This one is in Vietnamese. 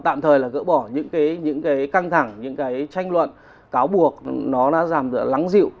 tạm thời là gỡ bỏ những cái những cái căng thẳng những cái tranh luận cáo buộc nó đã giảm lắng dịu